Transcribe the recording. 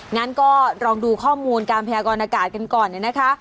งั้นก็ลองดูข้อมูลการแพร่อากาศกันก่อนนะคะ